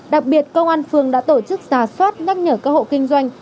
đặc biệt công an phường đã tổ chức xà xoát nhắc nhở các hộ kinh doanh